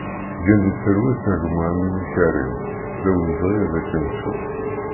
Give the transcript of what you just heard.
Gen di talwit a gma Amini Karim, d awezɣi ad k-nettu!